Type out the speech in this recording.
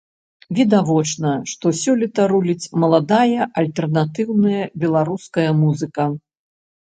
Відавочна, што сёлета руліць маладая альтэрнатыўная беларуская музыка.